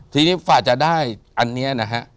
ทีนี้ฝ่าจะได้อันนี้นะฮะ